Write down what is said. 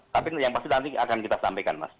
tapi yang pasti nanti akan kita sampaikan mas